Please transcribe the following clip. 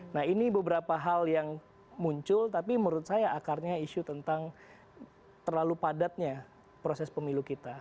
nah ini beberapa hal yang muncul tapi menurut saya akarnya isu tentang terlalu padatnya proses pemilu kita